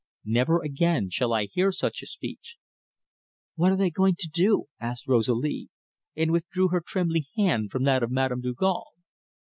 Never again shall I hear such a speech." "What are they going to do?" asked Rosalie, and withdrew her trembling hand from that of Madame Dugal.